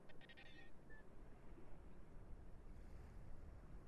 Institute of Development Studies huratibu mpango wa utafiti juu ya jamii